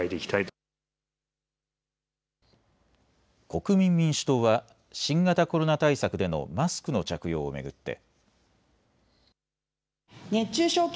国民民主党は新型コロナ対策でのマスクの着用を巡って。